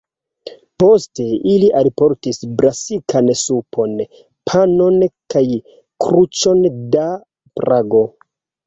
Poste li alportis brasikan supon, panon kaj kruĉon da "brago".